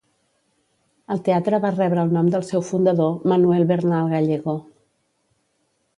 El teatre va rebre el nom del seu fundador Manuel Bernal Gallego.